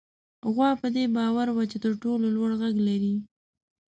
غوا په دې باور وه چې تر ټولو لوړ غږ لري.